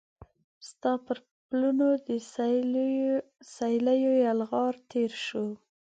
ستا پر پلونو د سیلېو یلغار تیر شو